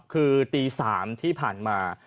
คือตี๓ที่ผ่านมา